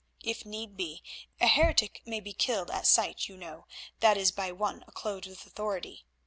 If need be a heretic may be killed at sight, you know, that is by one clothed with authority.